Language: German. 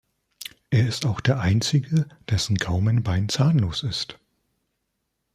Er ist auch der einzige, dessen Gaumenbein zahnlos ist.